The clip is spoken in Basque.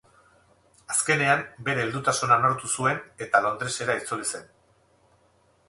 Azkenean, bere heldutasuna onartu zuen eta Londresera itzuli zen.